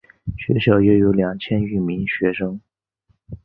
学校约有两千余名学生。